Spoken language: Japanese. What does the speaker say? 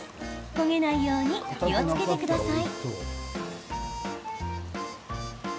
焦げないように気をつけてください。